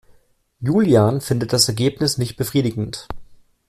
Julian findet das Ergebnis nicht befriedigend.